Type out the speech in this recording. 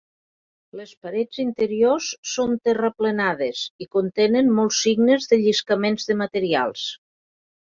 Les parets interiors són terraplenades i contenen molts signes de lliscaments de materials.